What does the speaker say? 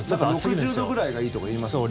６０ぐらいがいいとか言いますよね。